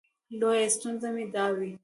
لویه ستونزه مې دا وي.